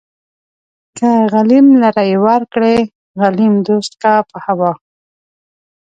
که غليم لره يې ورکړې غليم دوست کا په هوا